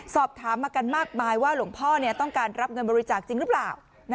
สอบถามมากันมากมายว่าหลวงพ่อต้องการรับเงินบริจาคจริงหรือเปล่า